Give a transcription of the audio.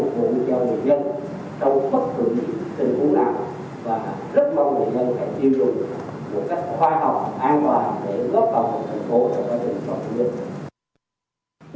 các dân trong bất cứ tình huống nào và rất mong người dân hãy chiêu dụng một cách khoa học an toàn để góp vào một thành phố để đảm bảo cho người dân